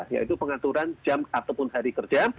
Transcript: yaitu pengaturan jam ataupun hari kerja